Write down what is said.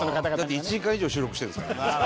だって１時間以上収録してるんですから。